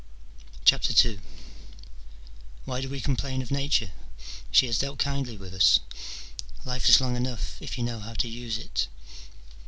II. Why do we complain of Nature ? she has dealt kindly with us. Life is long enough, if you know how to use it.